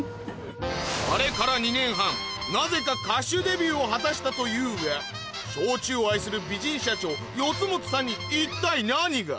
あれから２年半なぜか歌手デビューを果たしたというが焼酎を愛する美人社長四元さんに一体何が？